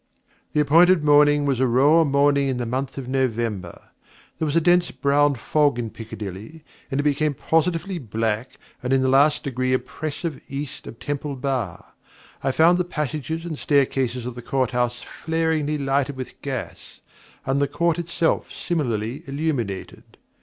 The appointed morning was a raw morning in the month of November. There was a dense brown fog in Piccadilly, and it became positively black and in the last degree oppressive East of Temple Bar. I found the passages and staircases of the Court House flaringly lighted with gas, and the Court itself similarly illuminated.